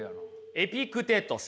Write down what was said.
エピクテトス。